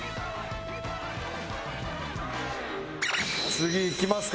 次いきますか。